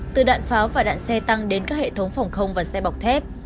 từ đạn pháo và đạn xe tăng đến các hệ thống phòng không và xe bọc thép